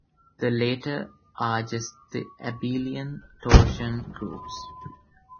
The latter are just the abelian torsion groups.